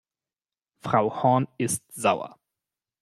Frau Horn ist sauer.